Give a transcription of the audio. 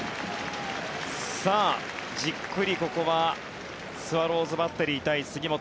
じっくり、ここはスワローズバッテリー対杉本。